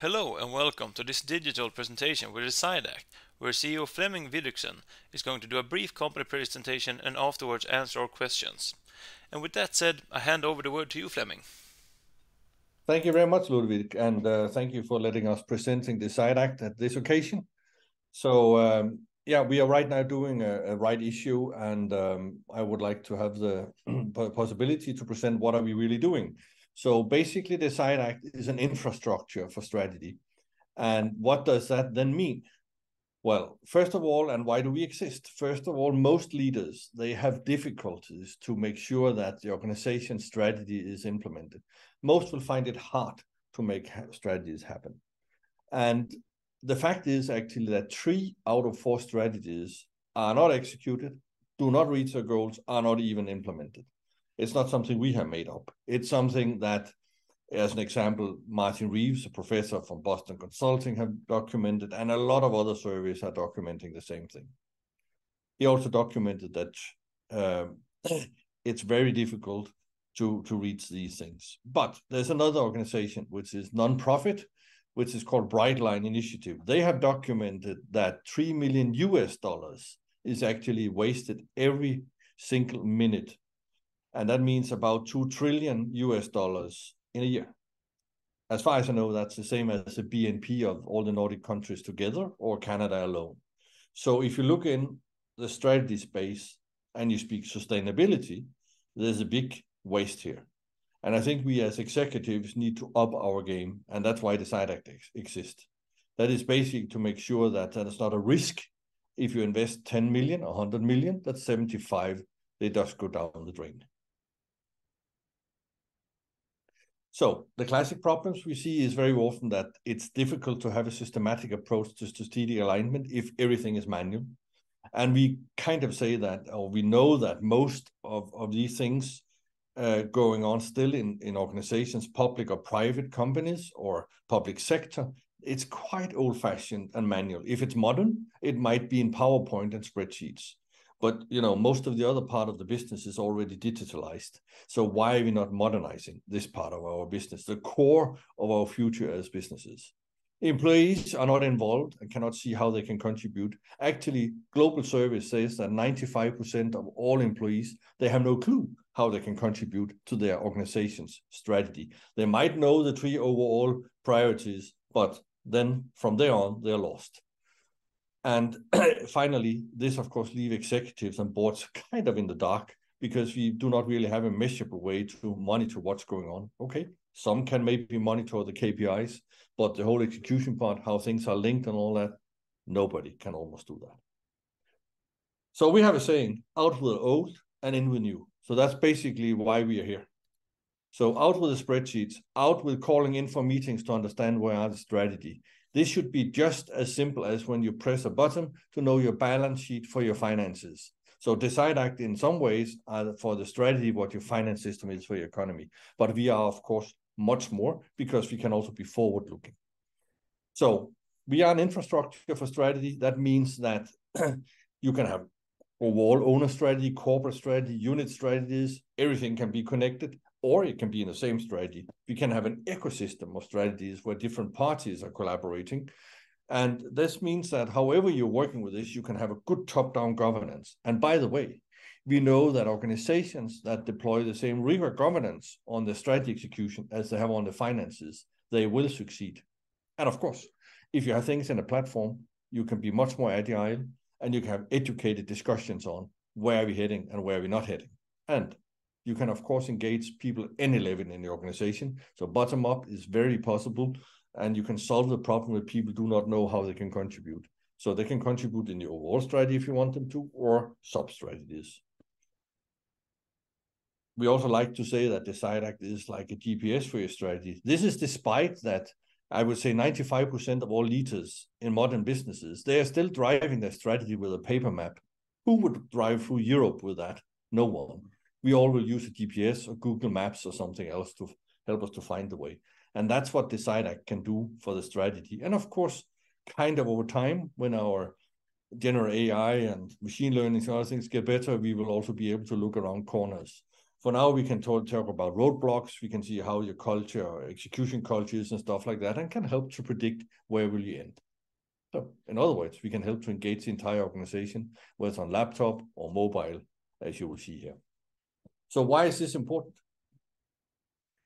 Hello, and welcome to this digital presentation with DecideAct, where CEO Flemming Videriksen is going to do a brief company presentation and afterwards answer our questions. With that said, I hand over the word to you, Flemming. Thank you very much, Ludwig, and thank you for letting us present DecideAct at this occasion. So, yeah, we are right now doing a rights issue, and I would like to have the possibility to present what we are really doing. So basically, DecideAct is an infrastructure for strategy, and what does that then mean? Well, first of all, and why do we exist? First of all, most leaders, they have difficulties to make sure that the organization's strategy is implemented. Most will find it hard to make strategies happen, and the fact is actually that three out of four strategies are not executed, do not reach their goals, are not even implemented. It's not something we have made up. It's something that, as an example, Martin Reeves, a professor from Boston Consulting Group, have documented, and a lot of other surveys are documenting the same thing. He also documented that, it's very difficult to, to reach these things. But there's another organization, which is nonprofit, which is called Brightline Initiative. They have documented that $3 million is actually wasted every single minute, and that means about $2 trillion in a year. As far as I know, that's the same as the BNP of all the Nordic countries together or Canada alone. So if you look in the strategy space and you speak sustainability, there's a big waste here, and I think we, as executives, need to up our game, and that's why DecideAct exists. That is basically to make sure that there is not a risk if you invest 10 million or 100 million, that 75, they just go down the drain. So the classic problems we see is very often that it's difficult to have a systematic approach to strategic alignment if everything is manual, and we kind of say that, or we know that most of these things going on still in organizations, public or private companies or public sector, it's quite old-fashioned and manual. If it's modern, it might be in PowerPoint and spreadsheets, but, you know, most of the other part of the business is already digitalized. So why are we not modernizing this part of our business, the core of our future as businesses? Employees are not involved and cannot see how they can contribute. Actually, a global survey says that 95% of all employees, they have no clue how they can contribute to their organization's strategy. They might know the three overall priorities, but then from there on, they're lost. And finally, this, of course, leave executives and boards kind of in the dark because we do not really have a measurable way to monitor what's going on. Okay, some can maybe monitor the KPIs, but the whole execution part, how things are linked and all that, nobody can almost do that. So we have a saying, out with the old and in with new. So that's basically why we are here. So out with the spreadsheets, out with calling in for meetings to understand where are the strategy. This should be just as simple as when you press a button to know your balance sheet for your finances. So DecideAct, in some ways, are for the strategy, what your finance system is for your economy. But we are, of course, much more because we can also be forward-looking. So we are an infrastructure for strategy. That means that, you can have overall owner strategy, corporate strategy, unit strategies, everything can be connected, or it can be in the same strategy. You can have an ecosystem of strategies where different parties are collaborating, and this means that however you're working with this, you can have a good top-down governance. And by the way, we know that organizations that deploy the same rigor governance on the strategy execution as they have on the finances, they will succeed. Of course, if you have things in a platform, you can be much more agile, and you can have educated discussions on where are we heading and where are we not heading. And you can, of course, engage people any level in the organization. So bottom up is very possible, and you can solve the problem where people do not know how they can contribute. So they can contribute in the overall strategy if you want them to, or sub-strategies. We also like to say that DecideAct is like a GPS for your strategy. This is despite that, I would say, 95% of all leaders in modern businesses, they are still driving their strategy with a paper map. Who would drive through Europe with that? No one. We all will use a GPS or Google Maps or something else to help us to find the way, and that's what DecideAct can do for the strategy. Of course, kind of over time, when our general AI and machine learning and other things get better, we will also be able to look around corners. For now, we can talk about roadblocks, we can see how your culture, execution cultures, and stuff like that, and can help to predict where will you end. So in other words, we can help to engage the entire organization, whether on laptop or mobile, as you will see here. So why is this important?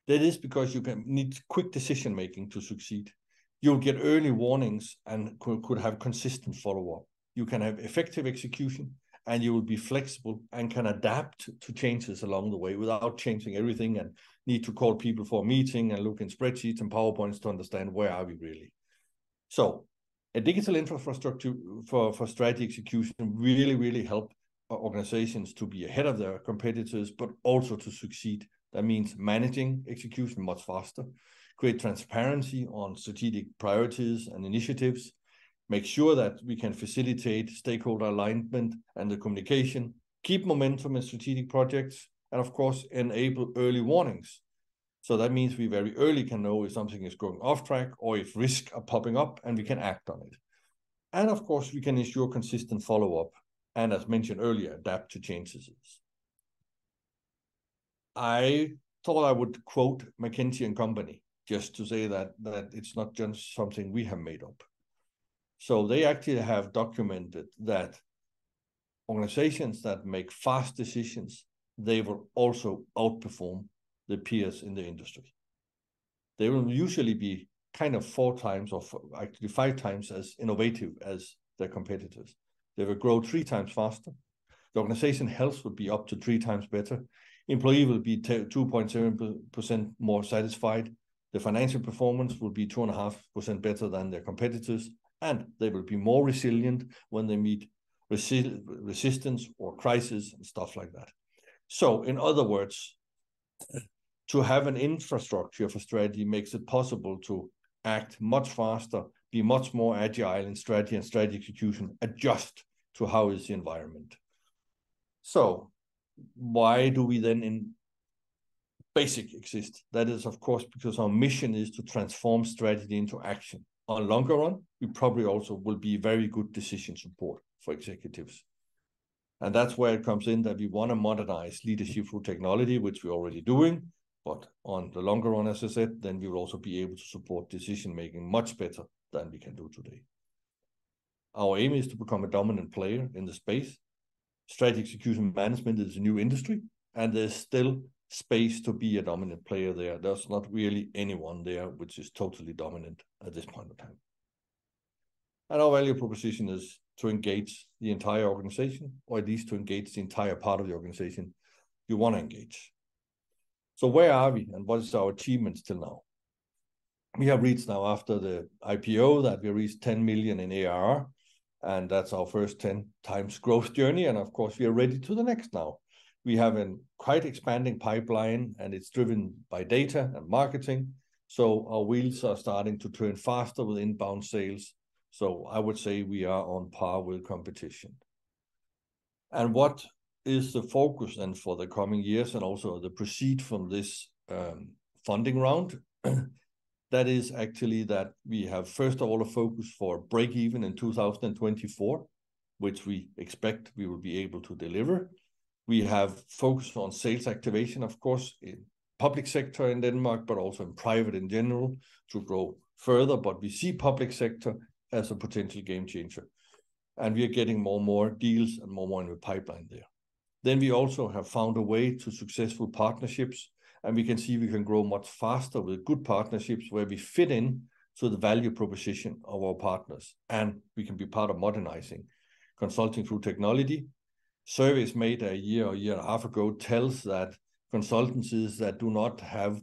That is because you can need quick decision-making to succeed. You'll get early warnings and could have consistent follow-up. You can have effective execution, and you will be flexible and can adapt to changes along the way without changing everything and need to call people for a meeting and look in spreadsheets and PowerPoints to understand where are we really. So a digital infrastructure for strategy execution really, really help our organizations to be ahead of their competitors, but also to succeed. That means managing execution much faster, create transparency on strategic priorities and initiatives, make sure that we can facilitate stakeholder alignment and the communication, keep momentum in strategic projects, and of course, enable early warnings. So that means we very early can know if something is going off track or if risk are popping up, and we can act on it. And of course, we can ensure consistent follow-up, and as mentioned earlier, adapt to changes.... I thought I would quote McKinsey & Company just to say that, that it's not just something we have made up. So they actually have documented that organizations that make fast decisions, they will also outperform their peers in the industry. They will usually be kind of four times, or actually five times, as innovative as their competitors. They will grow three times faster. The organization health will be up to three times better. Employee will be 2.7% more satisfied. The financial performance will be 2.5% better than their competitors, and they will be more resilient when they meet resistance or crisis and stuff like that. So in other words, to have an infrastructure for strategy makes it possible to act much faster, be much more agile, and strategy and strategy execution adjust to how is the environment. So why do we then in basic exist? That is, of course, because our mission is to transform strategy into action. On longer run, we probably also will be very good decision support for executives, and that's where it comes in, that we wanna modernize leadership through technology, which we're already doing. But on the longer run, as I said, then we will also be able to support decision-making much better than we can do today. Our aim is to become a dominant player in the space. Strategy execution management is a new industry, and there's still space to be a dominant player there. There's not really anyone there which is totally dominant at this point of time. And our value proposition is to engage the entire organization, or at least to engage the entire part of the organization you wanna engage. So where are we, and what is our achievements till now? We have reached now, after the IPO, that we reached 10 million in ARR, and that's our first 10 times growth journey, and of course, we are ready to the next now. We have a quite expanding pipeline, and it's driven by data and marketing, so our wheels are starting to turn faster with inbound sales. So I would say we are on par with competition. And what is the focus then for the coming years and also the proceeds from this funding round? That is actually that we have, first of all, a focus for breakeven in 2024, which we expect we will be able to deliver. We have focused on sales activation, of course, in public sector in Denmark, but also in private in general, to grow further, but we see public sector as a potential game changer, and we are getting more and more deals and more and more in the pipeline there. Then we also have found a way to successful partnerships, and we can see we can grow much faster with good partnerships, where we fit in to the value proposition of our partners, and we can be part of modernizing consulting through technology. Surveys made a year or a year and a half ago tell that consultancies that do not have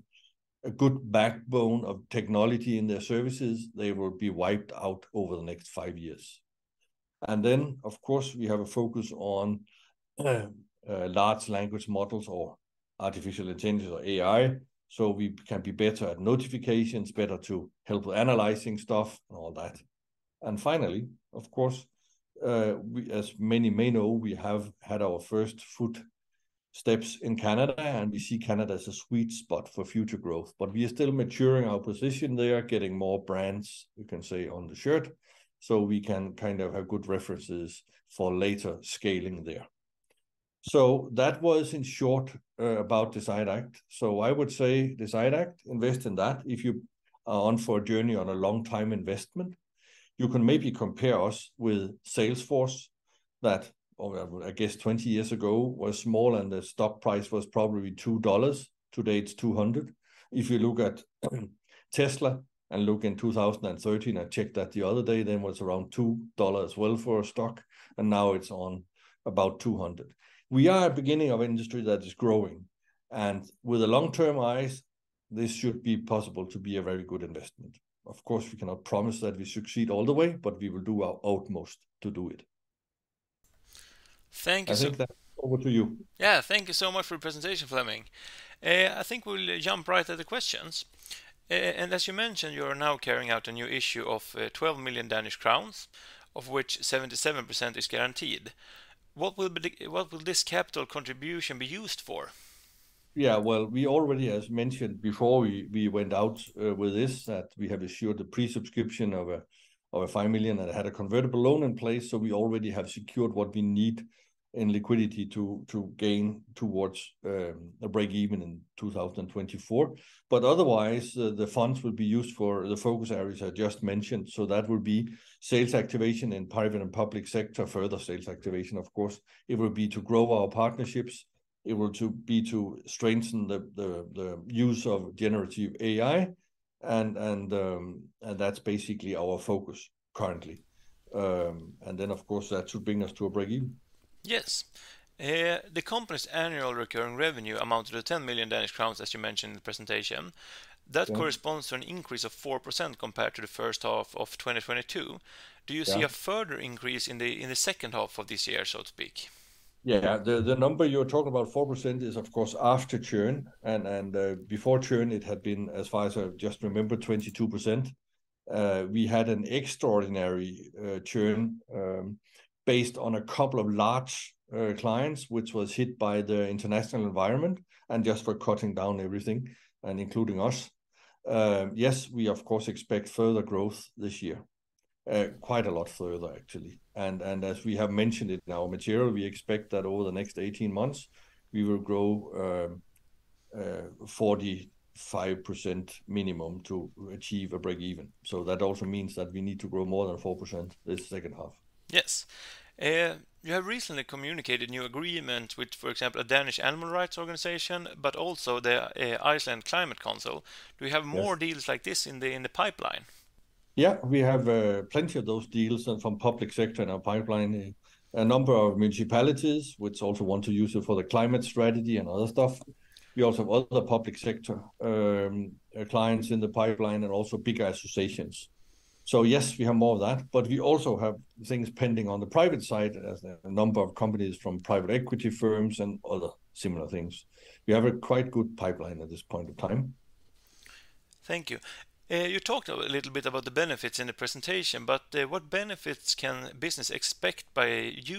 a good backbone of technology in their services, they will be wiped out over the next five years. And then, of course, we have a focus on large language models or artificial intelligence, or AI, so we can be better at notifications, better to help with analyzing stuff and all that. And finally, of course, as many may know, we have had our first footsteps in Canada, and we see Canada as a sweet spot for future growth. But we are still maturing our position there, getting more brands, we can say, on the shirt, so we can kind of have good references for later scaling there. So that was in short about DecideAct. So I would say DecideAct, invest in that if you are on for a journey on a long time investment. You can maybe compare us with Salesforce, that, oh, I guess 20 years ago was small, and the stock price was probably $2. Today, it's $200. If you look at Tesla and look in 2013, I checked that the other day, then was around $2 as well for a stock, and now it's on about $200. We are at beginning of industry that is growing, and with a long-term eyes, this should be possible to be a very good investment. Of course, we cannot promise that we succeed all the way, but we will do our utmost to do it. Thank you so- I think that... Over to you. Yeah, thank you so much for the presentation, Flemming. I think we'll jump right at the questions. And as you mentioned, you are now carrying out a new issue of 12 million Danish crowns, of which 77% is guaranteed. What will this capital contribution be used for? Yeah, well, we already, as mentioned before, we went out with this, that we have assured the pre-subscription of 5 million and had a convertible loan in place, so we already have secured what we need in liquidity to gain towards a breakeven in 2024. But otherwise, the funds will be used for the focus areas I just mentioned, so that will be sales activation in private and public sector, further sales activation, of course. It will be to grow our partnerships. It will be to strengthen the use of generative AI, and that's basically our focus currently. And then, of course, that should bring us to a breakeven. Yes. The company's annual recurring revenue amounted to 10 million Danish crowns, as you mentioned in the presentation. Mm. That corresponds to an increase of 4% compared to the first half of 2022. Yeah. Do you see a further increase in the second half of this year, so to speak? Yeah. The number you're talking about, 4%, is, of course, after churn, and before churn, it had been, as far as I just remember, 22%. We had an extraordinary churn based on a couple of large clients, which was hit by the international environment and just for cutting down everything and including us. Yes, we of course expect further growth this year, quite a lot further, actually. And as we have mentioned it in our material, we expect that over the next 18 months, we will grow 45% minimum to achieve a break even. So that also means that we need to grow more than 4% this second half. Yes. You have recently communicated new agreement with, for example, a Danish animal rights organization, but also the Icelandic Climate Council. Yes. Do you have more deals like this in the pipeline? Yeah, we have plenty of those deals, and from public sector in our pipeline. A number of municipalities, which also want to use it for the climate strategy and other stuff. We also have other public sector clients in the pipeline, and also bigger associations. So yes, we have more of that, but we also have things pending on the private side, as a number of companies from private equity firms and other similar things. We have a quite good pipeline at this point of time. Thank you. You talked a little bit about the benefits in the presentation, but, what benefits can business expect by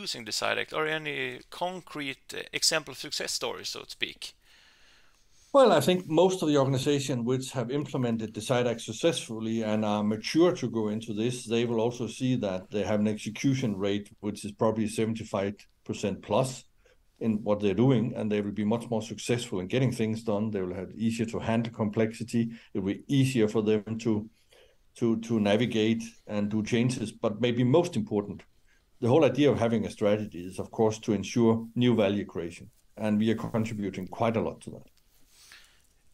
using DecideAct? Are any concrete example success stories, so to speak? Well, I think most of the organization which have implemented DecideAct successfully and are mature to go into this, they will also see that they have an execution rate, which is probably 75%+ in what they're doing, and they will be much more successful in getting things done. They will have easier to handle complexity. It will be easier for them to navigate and do changes. But maybe most important, the whole idea of having a strategy is, of course, to ensure new value creation, and we are contributing quite a lot to that.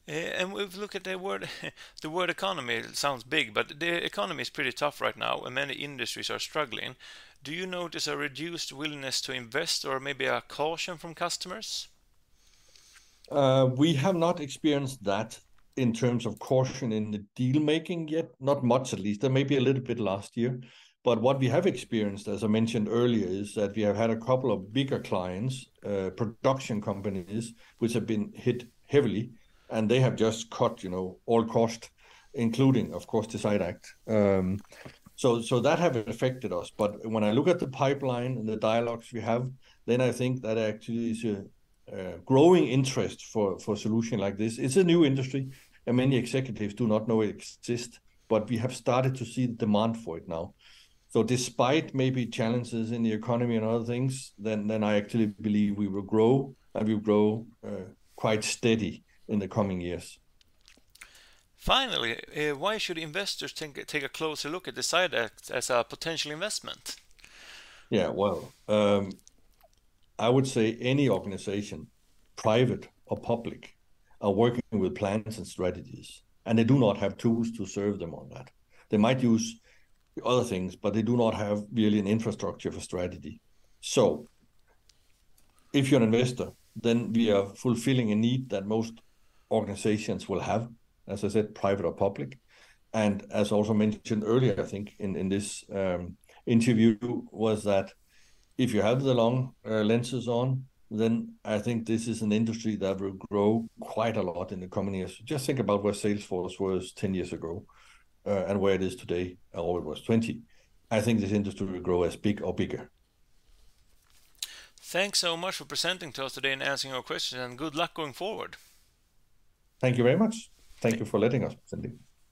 If we look at the word, the word economy sounds big, but the economy is pretty tough right now, and many industries are struggling. Do you notice a reduced willingness to invest or maybe a caution from customers? We have not experienced that in terms of caution in the deal-making yet. Not much, at least. There may be a little bit last year. But what we have experienced, as I mentioned earlier, is that we have had a couple of bigger clients, production companies, which have been hit heavily, and they have just cut, you know, all cost, including, of course, DecideAct. So, so that have affected us. But when I look at the pipeline and the dialogues we have, then I think that actually is a growing interest for a solution like this. It's a new industry, and many executives do not know it exist, but we have started to see demand for it now. Despite maybe challenges in the economy and other things, then I actually believe we will grow, and we'll grow quite steady in the coming years. Finally, why should investors take a closer look at DecideAct as a potential investment? Yeah, well, I would say any organization, private or public, are working with plans and strategies, and they do not have tools to serve them on that. They might use other things, but they do not have really an infrastructure for strategy. So if you're an investor, then we are fulfilling a need that most organizations will have, as I said, private or public. And as also mentioned earlier, I think, in, in this, interview, was that if you have the long, lenses on, then I think this is an industry that will grow quite a lot in the coming years. Just think about where Salesforce was 10 years ago, and where it is today, or it was 20. I think this industry will grow as big or bigger. Thanks so much for presenting to us today and answering our questions, and good luck going forward. Thank you very much. Thank you for letting us, Sandy.